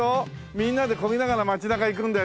みんなで漕ぎながら街中行くんだよ。